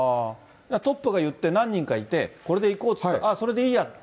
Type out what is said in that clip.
トップが言って、何人かいて、これでいこうと、ああ、それでいいやと。